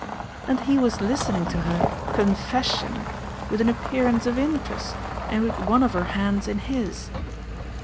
And he was listening to her "confession" with an appearance of interest, and with one of her hands in his.